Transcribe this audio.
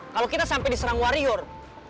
kalau kita sampai diserang warrior